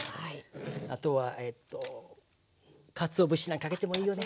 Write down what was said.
あとはえっとかつお節なんかかけてもいいよね。